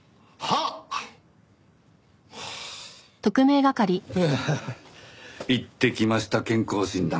はあ行ってきました健康診断。